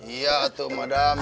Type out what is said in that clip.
iya tuh mam